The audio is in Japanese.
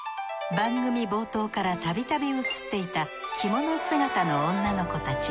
番組冒頭からたびたび映っていた着物姿の女の子たち。